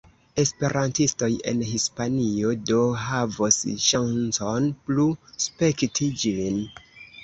Esperantistoj en Hispanio do havos ŝancon plu spekti ĝin.